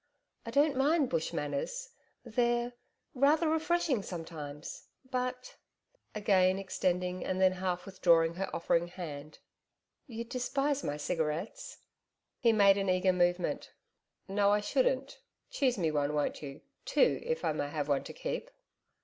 'I don't mind Bush manners. They're rather refreshing sometimes.... But' again extending and then half withdrawing her offering hand. 'You'd despise my cigarettes?' He made an eager movement. 'No I shouldn't. Choose me one, won't you two if I may have one to keep.'